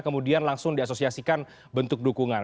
kemudian langsung diasosiasikan bentuk dukungan